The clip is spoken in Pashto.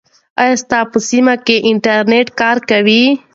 آیا ستا په سیمه کې انټرنیټ کار کوي؟